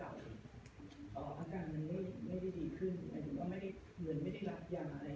อ่าอาการมันไม่ไม่ได้ดีขึ้นหรือว่าไม่ได้เหมือนไม่ได้รับยาอะไร